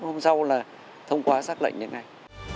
hôm sau là thông qua sắc lệnh như thế này